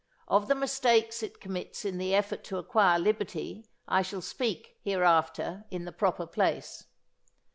Of the mistakes it commits in the effort to acquire liberty, I shall speak, hereafter, in the proper place.